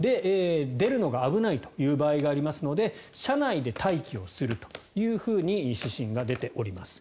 出るのが危ないという場合がありますので車内で待機をするというふうに指針が出ております。